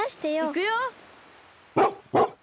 いくよ！